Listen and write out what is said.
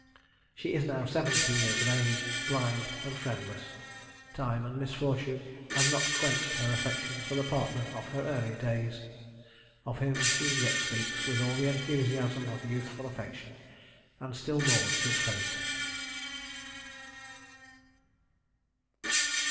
She is now seventy years of age, blind, and friendless. Time and misfortune have not quenched her affection for the partner of her early days. Of him she yet speaks with all the enthusiasm of youthful affection, and still mourns his fate.